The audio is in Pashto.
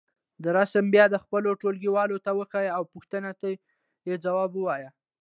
دا رسم بیا خپلو ټولګيوالو ته وښیئ او پوښتنو ته یې ځواب ووایئ.